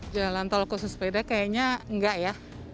jalan tol khusus sepeda kayaknya enggak ya